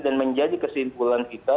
dan menjadi kesimpulan kita